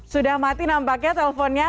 sudah mati nampaknya teleponnya